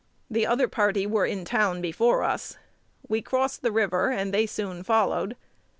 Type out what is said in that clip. The other party were in town before us. We crossed the river, and they soon followed.